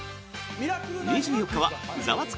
２４日は「ザワつく！